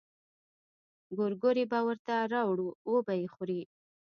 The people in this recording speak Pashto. ګورګورې به ورته راوړو وبه يې خوري.